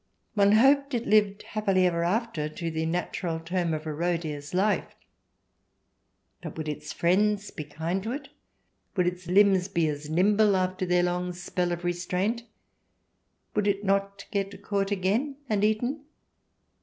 One hoped it lived happily ever after to the natural term of a roe deer's life. But would its friends be kind to it ? Would its limbs be as nimble after their long spell of restraint ? Would it not get caught again and eaten